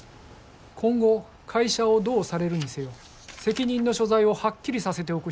今後会社をどうされるにせよ責任の所在をはっきりさせておく必要があります。